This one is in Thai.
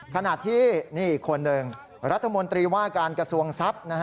ขณะที่นี่อีกคนหนึ่งรัฐมนตรีว่าการกระทรวงทรัพย์